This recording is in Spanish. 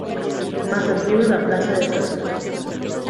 Más antigua es la plaza de toros.